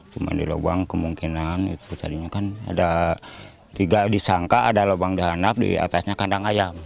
cuma di lubang kemungkinan itu tadinya kan ada tiga disangka ada lubang dihanap di atasnya kandang ayam